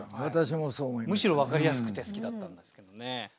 むしろ分かりやすくて好きだったんですけどね。